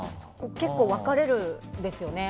結構分かれるんですよね。